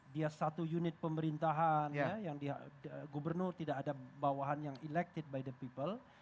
dia satu unit pemerintahan gubernur tidak ada bawahan yang elected by the people